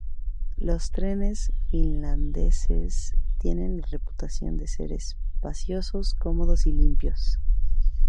Los trenes finlandeses tienen la reputación de ser espaciosos, cómodos y limpios.